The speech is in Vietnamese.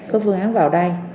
có phương án vào đây